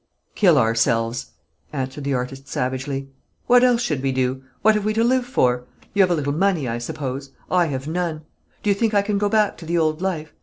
"Kill ourselves," answered the artist savagely. "What else should we do? What have we to live for? You have a little money, I suppose; I have none. Do you think I can go back to the old life?